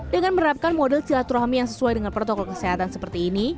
dengan menerapkan model silaturahmi yang sesuai dengan protokol kesehatan seperti ini